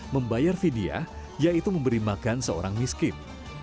membayar vidya yaitu memberi makan seorang miskin